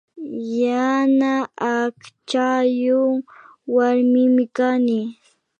Yana akchayuk warmimi kani